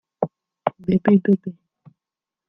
Baby baby